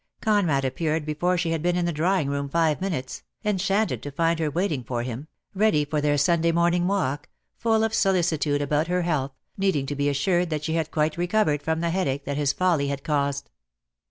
Conrad appeared before she had been in the drawing room five minutes, enchanted to find her waiting for 2 34 DEAD LOVE HAS CHAINS. him, ready for their Sunday morning walk, full of solicitude about her health, needing to be assured that she had quite recovered from the headache that his folly had caused.